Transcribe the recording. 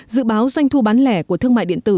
dự báo doanh thu bán lẻ của thương mại điện tử